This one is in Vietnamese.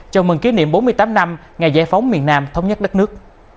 chào mừng kỷ niệm bốn mươi tám năm ngày giải phóng miền nam thống nhất đất nước